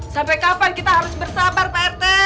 sampai kapan kita harus bersabar pak rt